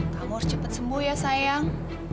kamu harus cepat sembuh ya sayang